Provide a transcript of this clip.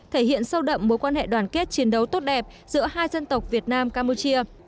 thể hiện sâu đậm mối quan hệ đoàn kết chiến đấu tốt đẹp giữa hai dân tộc việt nam campuchia